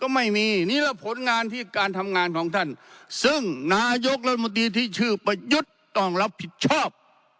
ไม่มีนี่คือผลงานที่การทำงานของท่านซึ่งนายกรัฐบคลอยไปหยุดต้องรับผิดชอบ